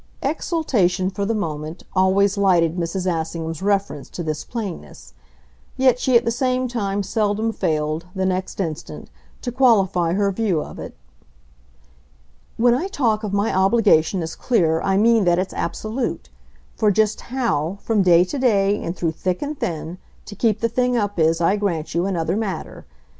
Exaltation, for the moment, always lighted Mrs. Assingham's reference to this plainness; yet she at the same time seldom failed, the next instant, to qualify her view of it. "When I talk of my obligation as clear I mean that it's absolute; for just HOW, from day to day and through thick and thin, to keep the thing up is, I grant you, another matter.